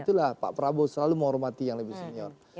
itulah pak prabowo selalu menghormati yang lebih senior